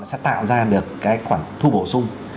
sẽ tạo ra được cái khoản thu bổ sung